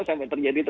sampai terjadi itu